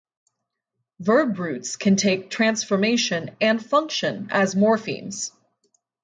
Verb roots can take transformation and function as morphemes.